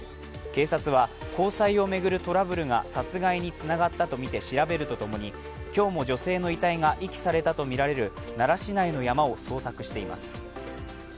警察は交際を巡るトラブルが殺害につながったとみて調べるとともに今日も女性の遺体が遺棄されたとみられる奈良市内の山を捜索しています。